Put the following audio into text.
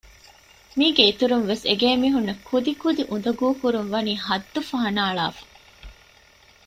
މީގެ އިތުރުންވެސް އެގޭ މީހުންނަށް ކުދިކުދި އުނދަގޫކުރުން ވަނީ ހައްދުފަހަނަ އަޅާފަ